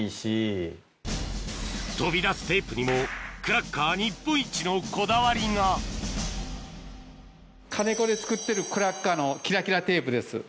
飛び出すテープにもクラッカー日本一のこだわりがカネコで作ってるクラッカーのキラキラテープです。